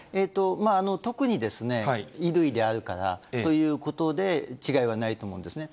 特に、衣類であるからということで違いはないと思うんですね。